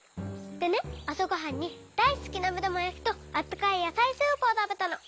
でねあさごはんにだいすきなめだまやきとあったかいやさいスープをたべたの。